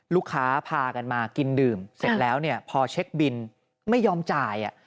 ลูกค้าพากันมากินดื่มเสร็จแล้วเนี่ยพอเช็คบินไม่ยอมจ่าย